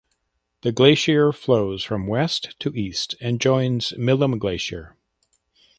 The glacier flows from west to east and joins Milam Glacier.